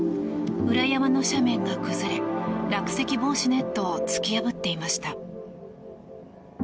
裏山の斜面が崩れ落石防止ネットを突き破っていました。